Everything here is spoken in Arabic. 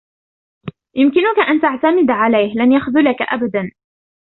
يمكنك أن تعتمد عليه. لن يخذلك أبدًا.